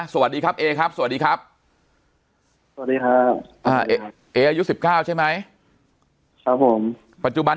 สวัสดีครับเอครับสวัสดีครับสวัสดีครับเออายุ๑๙ใช่ไหมครับผมปัจจุบัน